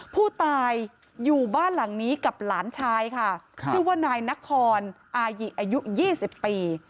ผู้ตายอยู่บ้านหลังนี้กับหลานชายค่ะชื่อว่านายนครอายิอายุ๒๐ปี